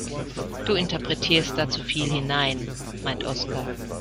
Du interpretierst da zu viel hinein, meint Oskar.